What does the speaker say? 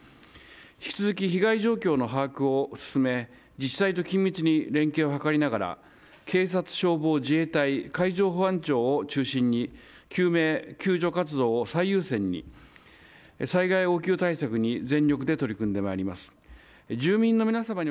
引き続き、被害状況の把握を進め自治体と緊密に連携を図りながら警察、消防、自衛隊海上保安庁を中心に救命・救助活動を最優先に災害応急対策に全力で取り組んでまいります。